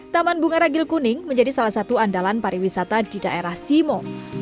taman bunga ragil kuning menjadi salah satu andalan pariwisata di daerah simo